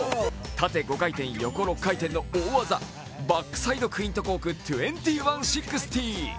縦５回転、横６回転の大技バックサイドクイントコーク２１６０。